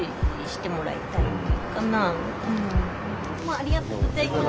ありがとうございます。